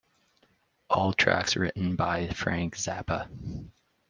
All tracks written by Frank Zappa.